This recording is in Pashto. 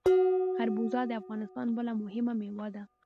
خربوزه د افغانستان بله مهمه میوه ده.